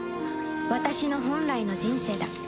私の本来の人生だ